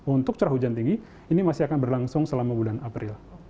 untuk curah hujan tinggi ini masih akan berlangsung selama bulan april